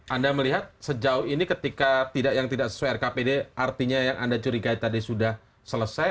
anda melihat sejauh ini ketika yang tidak sesuai rkpd artinya yang anda curigai tadi sudah selesai